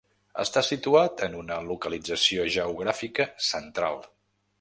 Està situat en una localització geogràfica central.